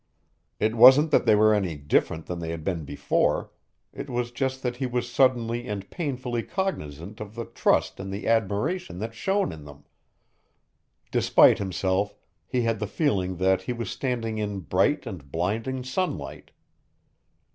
It wasn't that they were any different than they had been before: it was just that he was suddenly and painfully cognizant of the trust and the admiration that shone in them. Despite himself, he had the feeling that he was standing in bright and blinding sunlight.